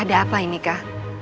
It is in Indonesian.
ada apa ini kak